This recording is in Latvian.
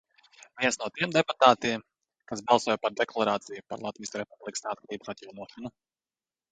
"Viens no tiem deputātiem, kas balsoja par deklarāciju "Par Latvijas Republikas neatkarības atjaunošanu"."